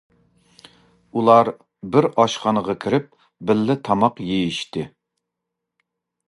ئۇلار بىر ئاشخانىغا كىرىپ بىللە تاماق يېيىشتى.